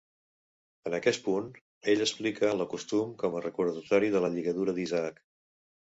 En aquest punt, ell explica la costum com a recordatori de la lligadura d'Isaac.